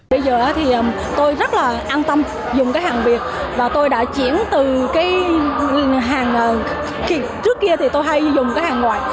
bây giờ thì tôi rất là an tâm dùng cái hàng việt và tôi đã chuyển từ cái hàng trước kia thì tôi hay dùng cái hàng ngoại